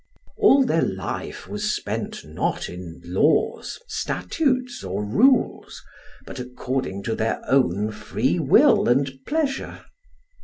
All their life was spent not in laws, statutes, or rules, but according to their own free will and pleasure.